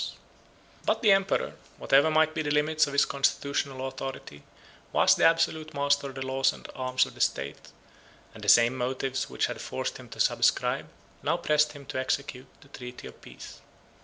] But the emperor, whatever might be the limits of his constitutional authority, was the absolute master of the laws and arms of the state; and the same motives which had forced him to subscribe, now pressed him to execute, the treaty of peace.